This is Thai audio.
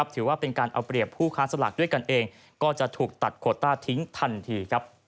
ถือว่าเป็นการเอาเปรียบผู้ค้าสลากด้วยกันเองก็จะถูกตัดโคต้าทิ้งทันที